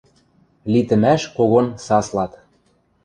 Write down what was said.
Литӹмӓш когон саслат.